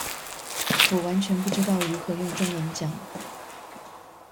我完全不知道如何用中文講